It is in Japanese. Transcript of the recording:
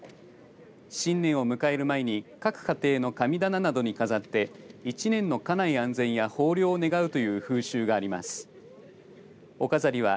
新年を迎える前に各家庭の神棚などに飾って１年の家内安全や豊漁を願うという風習があります。